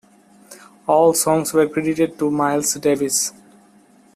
All songs were credited to Miles Davis.